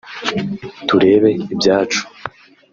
turebe ibyacu